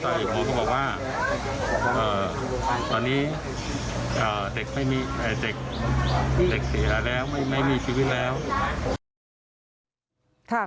แต่หมอก็บอกว่าตอนนี้เด็กเสียแล้วไม่มีชีวิตแล้ว